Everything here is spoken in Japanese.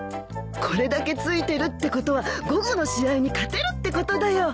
これだけついてるってことは午後の試合に勝てるってことだよ。